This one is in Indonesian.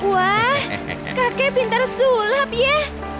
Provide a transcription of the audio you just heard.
wah kakek pintar sulap ya